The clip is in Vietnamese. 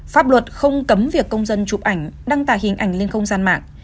pháp luật không cấm việc công dân chụp ảnh đăng tải hình ảnh lên không gian mạng